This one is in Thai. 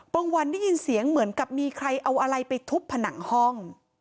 วันได้ยินเสียงเหมือนกับมีใครเอาอะไรไปทุบผนังห้อง